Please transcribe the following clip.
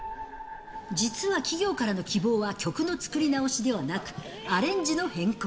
実は企業からの希望は、曲の作り直しではなく、アレンジの変更。